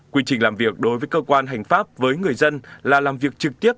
quy trình làm việc đối với cơ quan hành pháp với người dân là làm việc trực tiếp